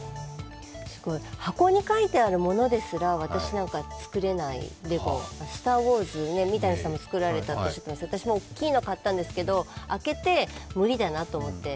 箱に書いてあるものですら私なんか作れない、「スター・ウォーズ」三谷さんも作られたみたいですけど私も大きいのを買ったんですけど開けて無理だなと思って。